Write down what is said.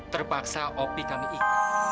terpaksa opi kami ikut